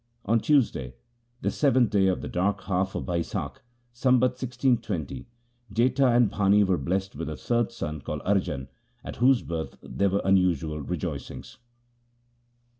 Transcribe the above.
On Tuesday, the seventh day of the dark half of Bai sakh, Sambat 1620, Jetha and Bhani were blessed with a third son called Arjan, at whose birth there were unusual rejoicings.